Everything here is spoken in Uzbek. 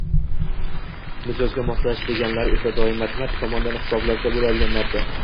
Mijozga moslashish deganlari esa doim matematik tomondan hisoblasa bo‘ladigan narsa.